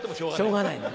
しょうがないの。